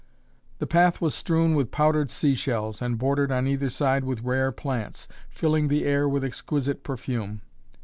The path was strewn with powdered sea shells and bordered on either side with rare plants, filling the air with exquisite perfume.